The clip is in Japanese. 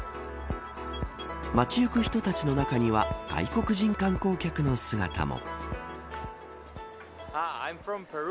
街行く人たちの中には外国人観光客の姿も。